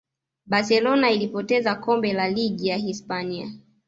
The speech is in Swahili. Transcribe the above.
barcelona ilipoteza kombe la ligi ya hispania